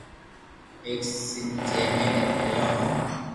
ايڪ سندھ ھي جي ۾ مي رھيو ھون